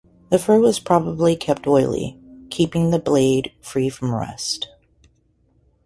The fur was probably kept oily, keeping the blade free from rust.